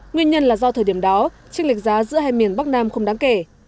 nguyên nhân là do thời điểm đó tranh lệch giá giữa hai miền bắc nam không đáng kể